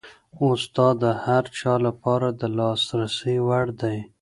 اوس دا د هر چا لپاره د لاسرسي وړ دی.